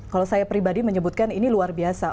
kalau saya pribadi menyebutkan ini luar biasa